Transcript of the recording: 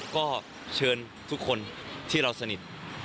ก็เชิญทุกคนที่เราสนิท